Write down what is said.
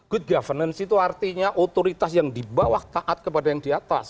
good governance itu artinya otoritas yang di bawah taat kepada yang di atas